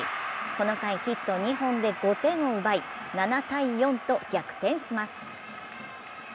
この回、ヒット２本で５点を奪い、７−４と逆転します。